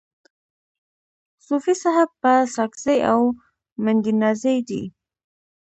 صوفي صاحب په ساکزی کي مندینزای دی.